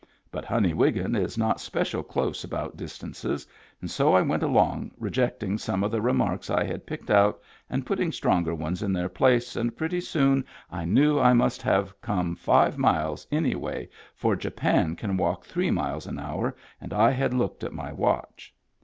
But Honey Wiggin is not special close about distances, and so I went along rejecting some of the remarks I had picked out arid putting stronger ones in their place and pretty soon I knew I must have come five miles an3rway for Japan can walk three miles an hour and I had looked at my watch.